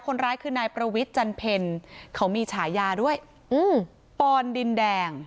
คนร้ายคือนายประวิทย์จันเพ็ญเขามีฉายาด้วยอืมปอนดินแดง